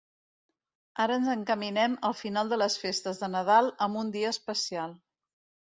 Ara ens encaminem al final de les festes de Nadal amb un dia especial.